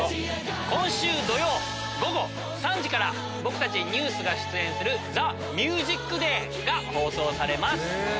今週土曜午後３時から僕たちＮＥＷＳが出演する『ＴＨＥＭＵＳＩＣＤＡＹ』が放送されます。